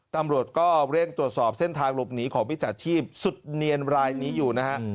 ตำรวจก็เร่งตรวจสอบเส้นทางหลบหนีของมิจฉาชีพสุดเนียนรายนี้อยู่นะฮะ